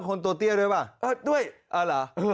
สุดยอดดีแล้วล่ะ